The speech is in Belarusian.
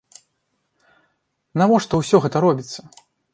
Навошта ўсё гэта робіцца?